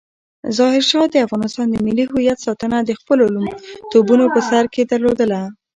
ظاهرشاه د افغانستان د ملي هویت ساتنه د خپلو لومړیتوبونو په سر کې درلودله.